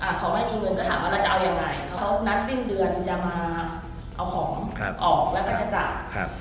เขาไม่มีเงินก็ถามว่าเราจะเอายังไงเขานัดสิ้นเดือนจะมาเอาของออกแล้วก็จะจ่ายครับ